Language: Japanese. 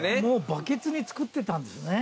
バケツに作ってたんですね。